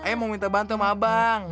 eh mau minta bantu sama abang